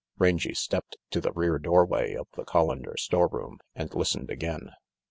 Rangy stepped to the rear doprway of the Coflan der storeroom and listened again.